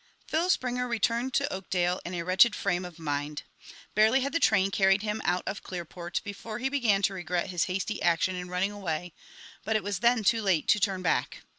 Phil Springer returned to Oakdale in a wretched frame of mind. Barely had the train carried him out of Clearport before he began to regret his hasty action in running away, but it was then too late to turn back.